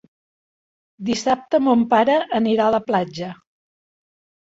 Dissabte mon pare anirà a la platja.